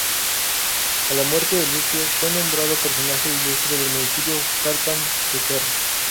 A la muerte de Lucio, fue nombrado Personaje Ilustre del Municipio Jalpan de Serra.